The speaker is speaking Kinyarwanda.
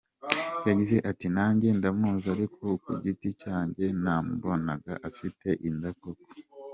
Yagize ati “Nanjye ndamuzi ariko ku giti cyanjye namubonaga afite inda koko.